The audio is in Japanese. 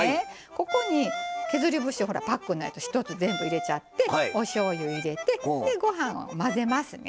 ここに削り節パックのやつ１つ全部入れちゃっておしょうゆ入れてご飯を混ぜますね。